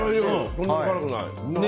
そんなに辛くない。